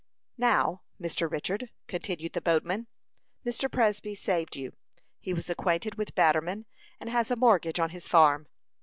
"Now, Mr. Richard," continued the boatman, "Mr. Presby saved you. He was acquainted with Batterman, and has a mortgage on his farm.